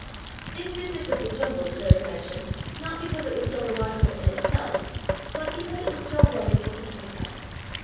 This business of the jungle deserves mention, not because it was so remarkable in itself, but because it was so wonderful to Puss cat.